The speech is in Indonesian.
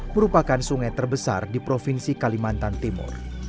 merupakan sungai terbesar di provinsi kalimantan timur